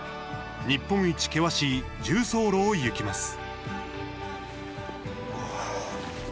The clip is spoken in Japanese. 日本一険しい縦走路を行きます。